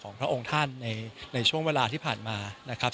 พระองค์ท่านในช่วงเวลาที่ผ่านมานะครับ